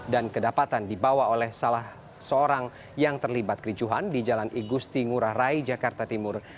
dan kedapatan dibawa oleh salah seorang yang terlibat kericuhan di jalan igusti ngurah rai jakarta timur